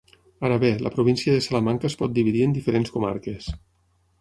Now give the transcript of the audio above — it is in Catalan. Ara bé, la província de Salamanca es pot dividir en diferents comarques.